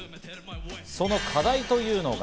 その課題というのは。